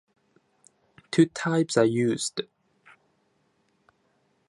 Two types are used.